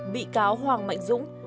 bị cáo hoàng mạnh dũng